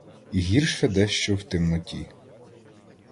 І гірше дещо в темноті.